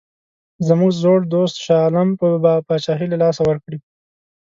زموږ زوړ دوست شاه عالم به پاچهي له لاسه ورکړي.